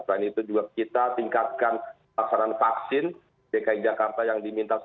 selain itu juga kita tingkatkan pasaran vaksin dki jakarta yang diminta rp seratus